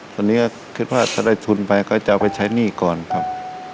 ตอนนี้ก็คิดว่าถ้าได้ทุนไปก็จะเอาไปใช้หนี้ก่อนครับ